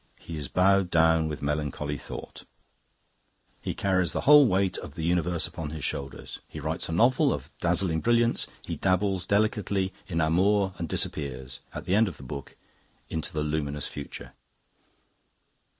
He is bowed down with melancholy thought; he carries the whole weight of the universe upon his shoulders. He writes a novel of dazzling brilliance; he dabbles delicately in Amour and disappears, at the end of the book, into the luminous Future."